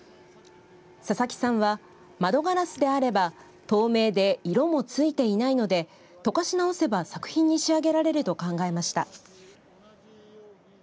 佐々木さんは窓ガラスであれば透明で色もついていないので溶かし直せば作品に仕上げられると考えました。